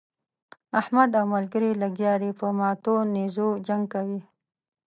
احمد او ملګري يې لګيا دي په ماتو نېزو جنګ کوي.